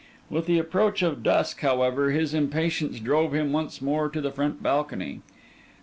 With the approach of dusk, however, his impatience drove him once more to the front balcony.